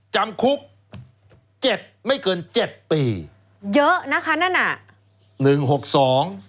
จำคุกเจ็ดไม่เกินเจ็ดปีเยอะนะคะนั่นอ่ะหนึ่งหกสอง